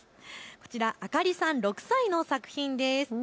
こちら、あかりさん６歳の作品です。